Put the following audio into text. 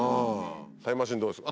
タイムマシーンどうですか？